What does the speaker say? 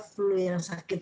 flu yang sakit